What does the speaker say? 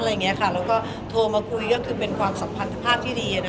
แล้วก็โทรมาคุยก็คือเป็นความสัมพันธภาพที่ดี